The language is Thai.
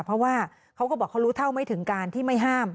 เพราะว่าเขาก็บอกเขารู้เท่าไม่ถึงการที่ไม่ห้าม